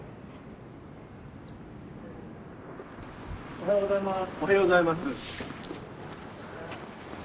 おはようございます。